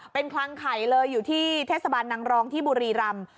เป็นคลังไข่เลยอยู่ที่เทศบาลนางรองที่บุรีรำ